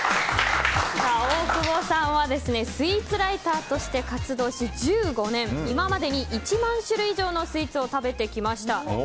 大久保さんはスイーツライターとして活動し１５年、今までに１万種類以上のスイーツを食べてきました。